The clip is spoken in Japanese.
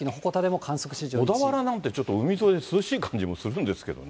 小田原なんて、ちょっと海沿いで涼しい感じがするんですけどね。